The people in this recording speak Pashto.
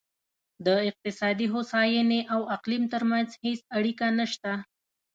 د اقتصادي هوساینې او اقلیم ترمنځ هېڅ اړیکه نشته.